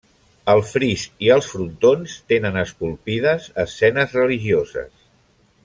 El fris i els frontons tenen esculpides escenes religioses.